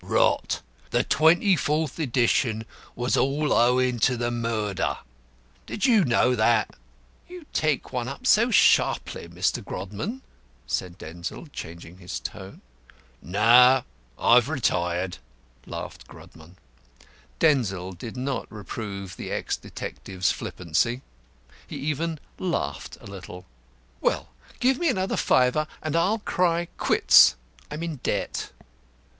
"Rot! The twenty fourth edition was all owing to the murder. Did you do that?" "You take one up so sharply, Mr. Grodman," said Denzil, changing his tone. "No I've retired," laughed Grodman. Denzil did not reprove the ex detective's flippancy. He even laughed a little. "Well, give me another fiver, and I'll cry 'quits.' I'm in debt."